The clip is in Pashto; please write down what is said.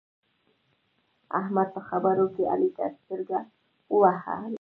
احمد په خبرو کې علي ته سترګه ووهله.